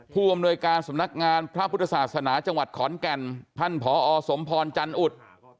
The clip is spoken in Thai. ผู้อำนวยการสำนักงานพระพุทธศาสนาจังหวัดขอนแก่นท่านผอสมพรจันอุด